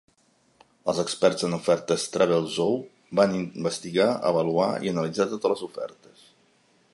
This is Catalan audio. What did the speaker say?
Els experts en ofertes de Travelzoo van investigar, avaluar i analitzar totes les ofertes.